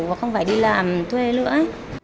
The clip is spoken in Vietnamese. và không phải đi làm thuê nữa